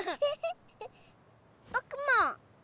ぼくも！